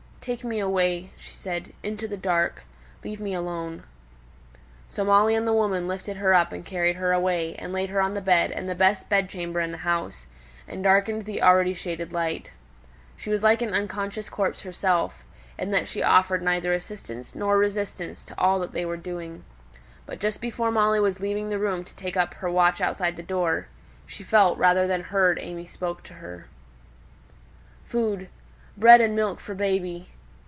"Take me away," she said, "into the dark. Leave me alone." So Molly and the woman lifted her up and carried her away, and laid her on the bed, in the best bed chamber in the house, and darkened the already shaded light. She was like an unconscious corpse herself, in that she offered neither assistance nor resistance to all that they were doing. But just before Molly was leaving the room to take up her watch outside the door, she felt rather than heard that AimÄe spoke to her. "Food bread and milk for baby."